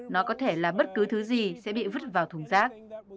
nó có thể là bất cứ thứ gì sẽ bị vứt vào thùng rác